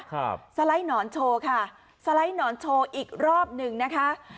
สไลด์หนอนโชว์ค่ะสไลด์หนอนโชว์อีกรอบหนึ่งนะคะ